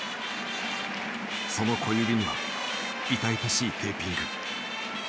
その小指には痛々しいテーピング。